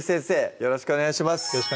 よろしくお願いします